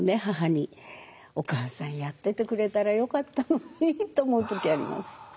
母に「お母さんやっててくれたらよかったのに」と思う時あります。